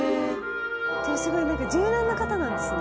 じゃあすごい柔軟な方なんですね。